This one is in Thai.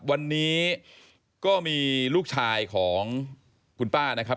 วันนี้ก็มีลูกชายของคุณป้านะครับ